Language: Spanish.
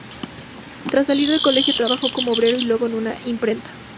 Tras salir del colegio trabajó como obrero y luego en una imprenta.